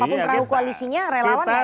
apapun perahu koalisinya relawan gak masalah